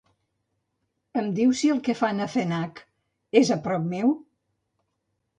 Em dius si el que fan a Fnac és a prop meu?